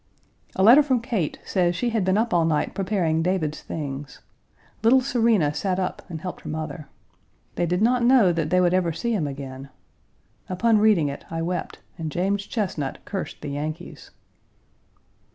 A letter from Kate says she had been up all night preparing David's things. Little Serena sat up and helped her mother. They did not know that they would ever see him again. Upon reading it, I wept and James Chesnut cursed the Yankees.